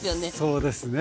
そうですね。